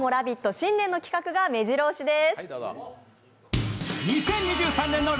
新年の企画がめじろ押しです。